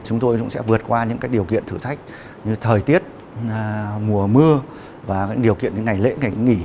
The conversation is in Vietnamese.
chúng tôi cũng sẽ vượt qua những điều kiện thử thách như thời tiết mùa mưa và những điều kiện những ngày lễ ngày nghỉ